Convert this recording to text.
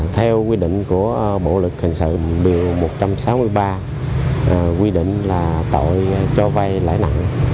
theo quy định của bộ lực hình sự biểu một trăm sáu mươi ba quy định là tội cho vai lãi nặng